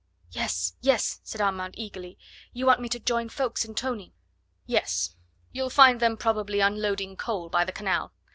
"Yes, yes!" said Armand eagerly. "You want me to join Ffoulkes and Tony." "Yes! You'll find them probably unloading coal by the canal.